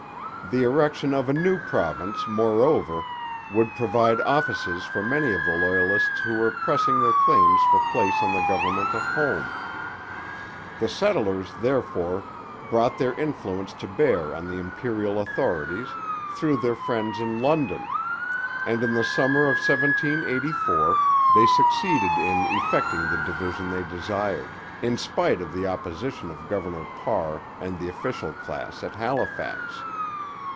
The erection of a new province, moreover, would provide offices for many of the Loyalists who were pressing their claims for place on the government at home. The settlers, therefore, brought their influence to bear on the Imperial authorities, through their friends in London; and in the summer of 1784 they succeeded in effecting the division they desired, in spite of the opposition of Governor Parr and the official class at Halifax.